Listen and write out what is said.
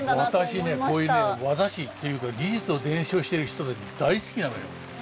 私ねこういうね業師っていうか技術を伝承してる人大好きなのよ。